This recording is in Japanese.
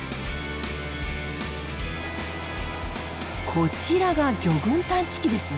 こちらが魚群探知機ですね。